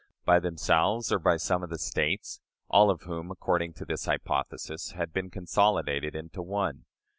By themselves or by some of the States, all of whom, according to this hypothesis, had been consolidated into one?